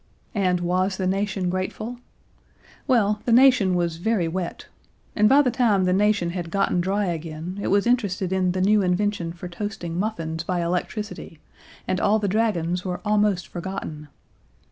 And was the nation grateful? Well the nation was very wet. And by the time the nation had gotten dry again it was interested in the new invention for toasting muffins by electricity, and all the dragons were almost forgotten.